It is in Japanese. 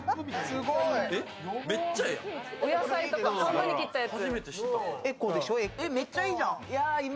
お野菜とか半分に切ったやつ。